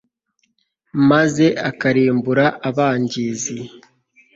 maze akarimbura abangizi